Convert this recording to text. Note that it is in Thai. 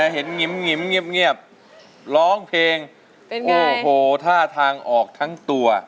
เห็นงิ้มงิ้มงิ้มงิ้มร้องเพลงเป็นไงโอ้โหท่าทางออกทั้งตัว